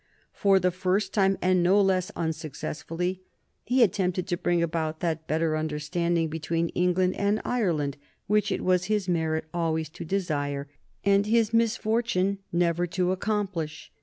For the first time, and no less unsuccessfully, he tried to bring about that better understanding between England and Ireland which it was his merit always to desire, and his misfortune never to accomplish.